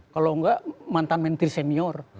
kalau enggak mantan menteri senior